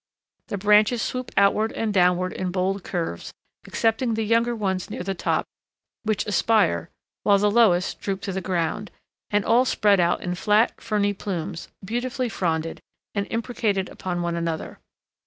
The branches swoop outward and downward in bold curves, excepting the younger ones near the top, which aspire, while the lowest droop to the ground, and all spread out in flat, ferny plumes, beautifully fronded, and imbricated upon one another.